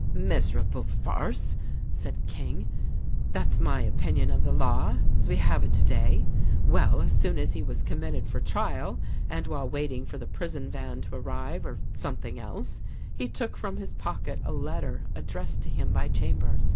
"Miserable farce!" said King, "that's my opinion of the law — as we have it today. Well, as soon as he was com mitted for trial, and while waiting for the prison van to arrive — or something else — he took from his pocket a letter addressed to him by Chambers.